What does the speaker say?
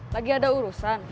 lagi ada urusan